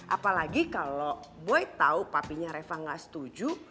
apalagi kalau boy tau papinya reva gak setuju